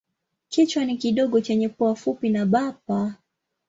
Kichwa ni kidogo chenye pua fupi na bapa.